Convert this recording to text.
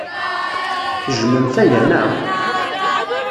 Tejjmemt aya, naɣ?